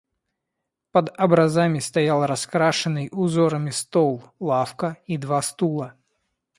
Под образами стоял раскрашенный узорами стол, лавка и два стула.